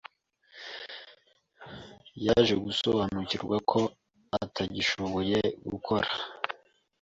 Yaje gusobanukirwa ko atagishoboye gukora.